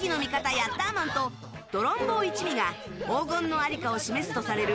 ヤッターマンとドロンボー一味が黄金のありかを示すとされる